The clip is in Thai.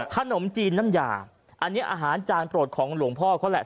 ขนมจีนน้ำยาอันนี้อาหารจานโปรดของหลวงพ่อเขาแหละ